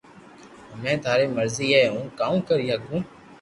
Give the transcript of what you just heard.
ھمي ٿاري مرزي ھي ھون ڪاو ڪري ھگو